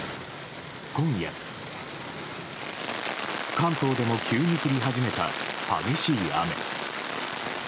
関東でも急に降り始めた激しい雨。